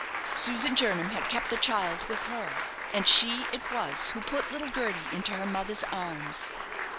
Susan Jernam had kept the child with her, and she it was who put little Gerty into her mother's arms.